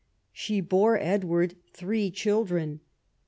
She bore Edward three children.